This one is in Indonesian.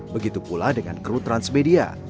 begitu pula dengan kru transmedia